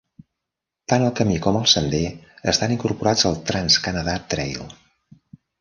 Tant el camí com el sender estan incorporats al Trans-Canada Trail.